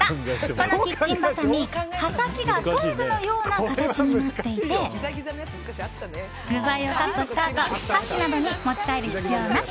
このキッチンばさみ、刃先がトングのような形になっていて具材をカットしたあと箸などに持ち替える必要なし。